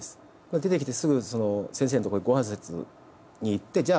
出てきてすぐ先生のとこへご挨拶に行ってじゃあ